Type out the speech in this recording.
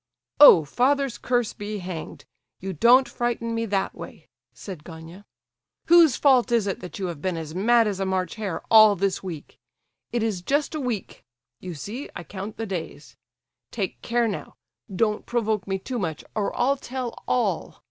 "Oh, father's curse be hanged—you don't frighten me that way!" said Gania. "Whose fault is it that you have been as mad as a March hare all this week? It is just a week—you see, I count the days. Take care now; don't provoke me too much, or I'll tell all.